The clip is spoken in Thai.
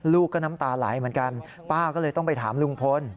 ลูกก็น้ำตาไหลเหมือนกันป้าก็เลยต้องไปถามลุงพล